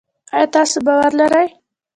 آیا تاسو باور لرئ؟